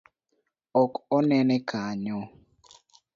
Ok onene kanyo?